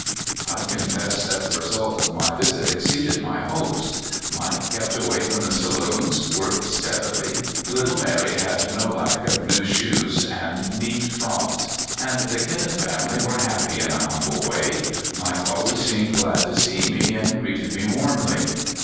I confess that the result of my visit exceeded my hopes. Mike kept away from the saloons, worked steadity, little Mary had no lack of new shoes and neat frocks, and the Kin neth family were happy in a humble way. Mike always seemed glad to see me, and greeted me warmly.